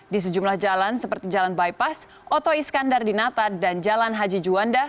di sejumlah jalan seperti jalan bypass oto iskandar di nata dan jalan haji juanda